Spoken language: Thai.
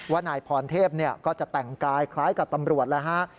ว่านายพรเทพเนี่ยก็จะแต่งกายคล้ายกับตำรวจนะฮะ